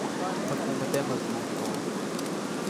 حکومتیں مضبوط ہوں۔